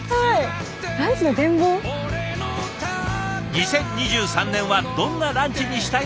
２０２３年はどんなランチにしたいですか？